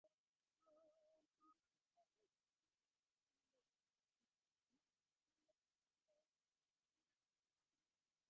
অয়ি খল, ছলগুন্ঠিতা, মধুকরভরকুন্ঠিতা, লুব্ধপবন -ক্ষুব্ধ-লোভন মল্লিকা অবলুন্ঠিতা।